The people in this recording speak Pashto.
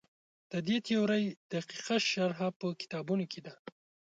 د دې تیورۍ دقیقه شرحه په کتابونو کې ده.